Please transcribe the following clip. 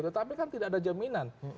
tetapi kan tidak ada jaminan